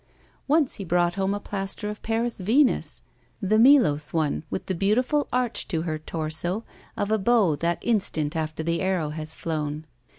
Once he brought home a plaster of Paris Venus — the Melos one with the beautiful arch to her torso of a bow that instant after the arrow has flown.